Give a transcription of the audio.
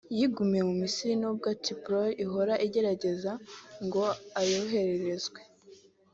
yigumiye mu Misiri nubwo Tripoli ihora igerageza ngo ayohererezwe